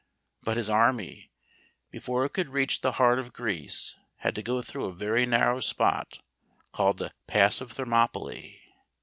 But his army* before it could reach the heart of Greece, had to go through a very narrow spot, called the Pass of Thermopylae.